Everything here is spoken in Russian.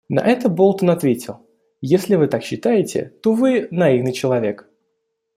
На это Болтон ответил: «Если Вы так считаете, то Вы наивный человек.